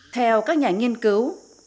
theo các nhà nghiên cứu